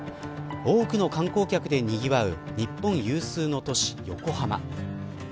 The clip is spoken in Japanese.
多くの観光客でにぎわう日本有数の都市、横浜。